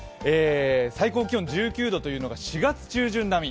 最高気温１９度というのが４月中旬並み。